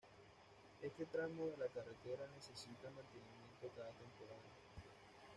Este tramo de la carretera necesita mantenimiento cada temporada.